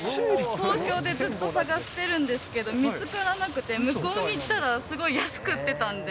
東京でずっと探してるんですけど、見つからなくて、向こうに行ったらすごい安く売ってたんで。